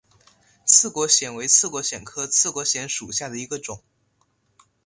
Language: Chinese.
刺果藓为刺果藓科刺果藓属下的一个种。